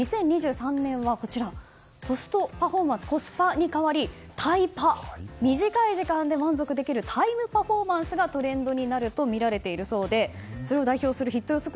２０２３年はコストパフォーマンスに代わりタイパ、短い時間で満足できるタイムパフォーマンスがトレンドになるとみられているそうでそれを代表するヒット予測